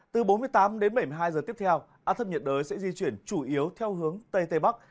từ bốn mươi tám đến bảy mươi hai giờ tiếp theo áp thấp nhiệt đới sẽ di chuyển chủ yếu theo hướng tây tây bắc